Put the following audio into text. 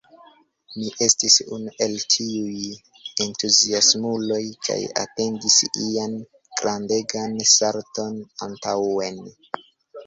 Mi estis unu el tiuj entuziasmuloj kaj atendis ian “grandegan salton antaŭen”.